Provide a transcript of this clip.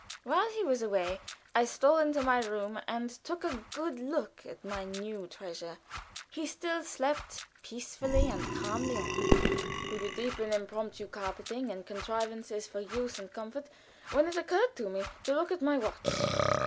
While he was away I stole into my room and took a good look at my new treasure; he still slept peacefully and calmly on. We were deep in impromptu carpentering and contrivances for use and comfort, when it occurred to me to look at my watch.